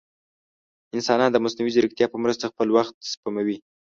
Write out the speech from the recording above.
انسانان د مصنوعي ځیرکتیا په مرسته خپل وخت سپموي.